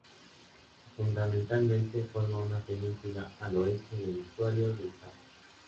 Fundamentalmente forma una península al oeste del estuario del Tajo.